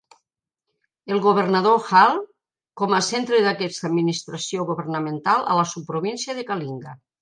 El Governador Hale com a centre d'aquesta administració governamental a la subprovincia de Kalinga.